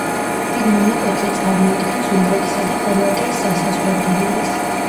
დიდ მონაკვეთზე წარმოადგენს უნგრეთისა და ხორვატიის სასაზღვრო მდინარეს.